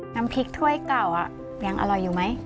น้ำพริกท่วยเก่าอ่ะยังอร่อยอยู่มั้ย